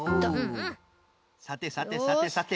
さてさてさてさて。